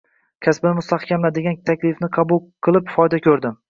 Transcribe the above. kasbingni mustahkamla degan taklifini qabul qilib foyda ko'rdi.